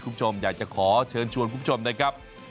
คุณผู้ชมอยากจะขอเชิญชวนคุณผู้ชมนะครับ